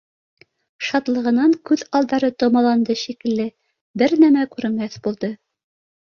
Шатлығынан күҙ алдары томаланды шикелле, бер нәмә күрмәҫ булды